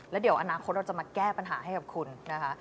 แล้วเดี๋ยวอนาคตเราจะมาแก้ปัญหาให้กับคุณนะคะ